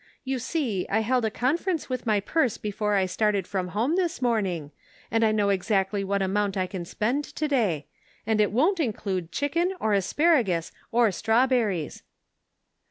You see I held a conference with my purse before I started from home this morning, and I know exactly what amount I can spend to day; and it won't include chicken or asparagus or strawberries."